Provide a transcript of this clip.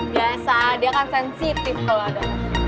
biasa dia akan sensitif kalau ada